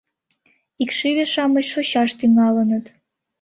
Икшыве-шамыч шочаш тӱҥалыныт.